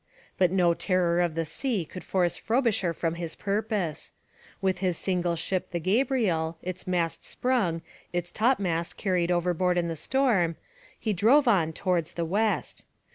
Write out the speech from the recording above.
But no terror of the sea could force Frobisher from his purpose. With his single ship the Gabriel, its mast sprung, its top mast carried overboard in the storm, he drove on towards the west.